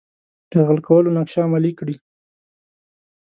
یرغل کولو نقشه عملي کړي.